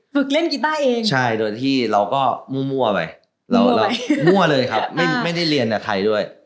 ฝึกเล่นกีต้าเองใช่โดยที่เราก็มั่วไปเรามั่วเลยครับไม่ได้เรียนกับใครด้วย